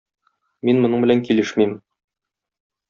Мин моның белән килешмим.